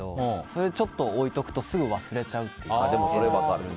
それ、ちょっと置いておくとすぐ忘れちゃうという。